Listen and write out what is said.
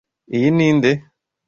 Iyi ni nde